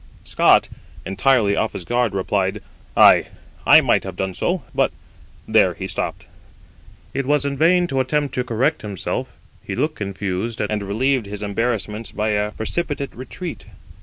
Scott, entirely off his guard, replied, "Ay, I might have done so; but " there he stopped. It was in vain to attempt to correct himself; he looked confused, and relieved his embarrassment by a precipitate retreat.'